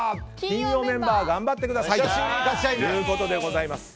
金曜メンバー頑張ってください！ということでございます。